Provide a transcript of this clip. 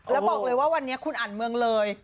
แล้วบอกเลยว่าวันนี้คุณอ่านเมืองเลย